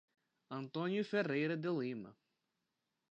Antônio Ferreira de Lima